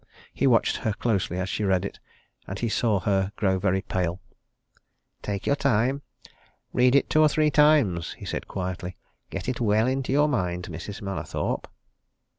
He watched her closely, as she read it, and he saw her grow very pale. "Take your time read it over two or three times," he said quietly. "Get it well into your mind, Mrs. Mallathorpe."